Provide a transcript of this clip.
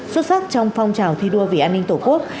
xuất sắc trong phong trào thi đua vì an ninh tổ quốc